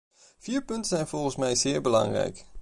Vier punten zijn volgens mij zeer belangrijk.